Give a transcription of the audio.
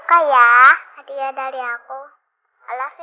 saya pergi al aerial you guys